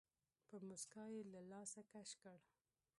په موسکا يې له لاسه کش کړ.